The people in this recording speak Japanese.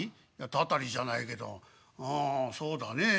「たたりじゃないけどうんそうだねえ